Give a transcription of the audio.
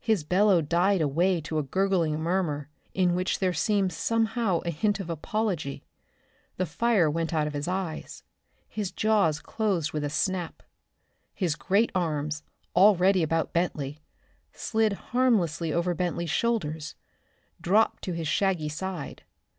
His bellow died away to a gurgling murmur in which there seemed somehow a hint of apology. The fire went out of his eyes. His jaws closed with a snap. His great arms, already about Bentley, slid harmlessly over Bentley's shoulders; dropped to his shaggy side.